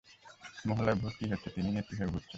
মহল্লায় ভোট কি হচ্ছে তিনি নেত্রী হয়ে ঘুরছেন!